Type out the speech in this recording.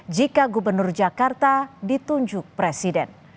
jika gubernur jakarta ditunjuk presiden